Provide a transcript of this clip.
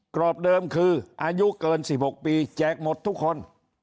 กรอบเดิมคืออายุเกิน๑๖ปีแจกหมดทุกคน